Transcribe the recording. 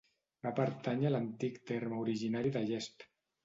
Va pertànyer l'antic terme originari de Llesp.